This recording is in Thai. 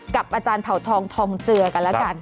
กับอาจารย์เผาทองทองเจือกันแล้วกัน